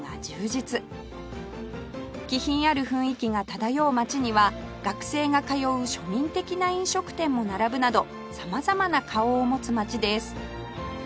気品ある雰囲気が漂う街には学生が通う庶民的な飲食店も並ぶなど様々な顔を持つ街です